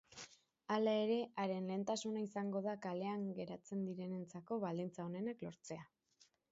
Hala ere, haren lehentasuna izango da kalean geratzen direnentzako baldintza onenak lortzea.